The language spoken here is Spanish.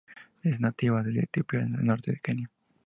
Es nativa desde Etiopía al norte de Kenia.